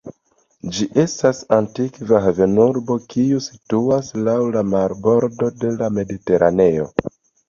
Ĝi estas antikva havenurbo kiu situas laŭ la marbordo de la Mediteraneo.